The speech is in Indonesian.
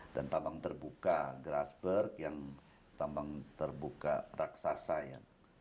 dan tambang terbuka grassberg yang tambang terbuka raksasa ya